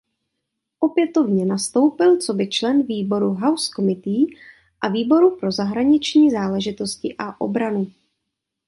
Opětovně nastoupil coby člen výboru House Committee a výboru pro zahraniční záležitosti a obranu.